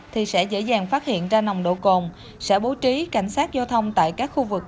thì sẽ dễ dàng phát hiện ra nồng độ cồn sẽ bố trí cảnh sát giao thông tại các khu vực